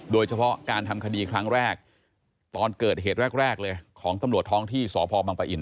โดยเฉพาะการทำคดีครั้งแรกตอนเกิดเหตุแรกแรกเลยของตำรวจท้องที่สพบังปะอิน